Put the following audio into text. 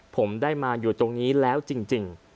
ผมได้มาอยู่จริง